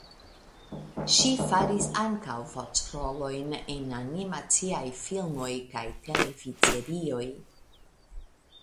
Ŝi faris ankaŭ voĉrolojn en animaciaj filmoj kaj televidserioj.